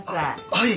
はい。